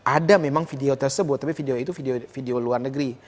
ada memang video tersebut tapi video itu video luar negeri